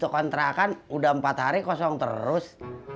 kontrakan udah empat hari kosong terus